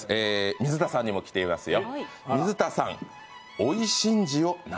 水田さんにも来ていますよ。